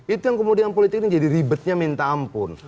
itu yang kemudian politik ini jadi ribetnya minta ampun